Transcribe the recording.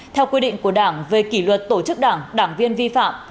theo quy định của đảng về kỷ luật tổ chức đảng đảng viên vi phạm